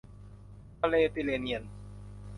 ทะเลติร์เรเนียน